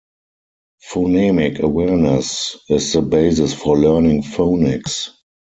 Phonemic awareness is the basis for learning phonics.